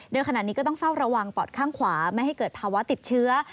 โดยขณะนี้ก็ต้องเฝ้าระวังปอดข้างขวาไม่ให้เกิดภาวะติดเชื้อ